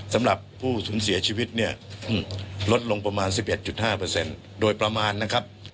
สำหรับผู้สูญเสียชีวิตเนี่ยลดลงประมาณ๑๑๕โดยประมาณนะครับ